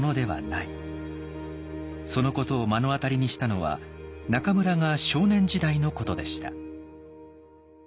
そのことを目の当たりにしたのは中村が少年時代のことでした。